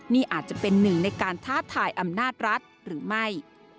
นี่อาจจะเป็นหนึ่งในการท้าทายอำนาจรัฐหรือไม่